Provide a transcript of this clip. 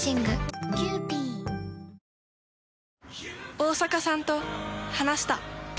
大坂さんと話した。